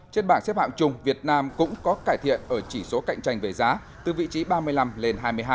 trên bảng xếp hạng chung việt nam cũng có cải thiện ở chỉ số cạnh tranh về giá từ vị trí ba mươi năm lên hai mươi hai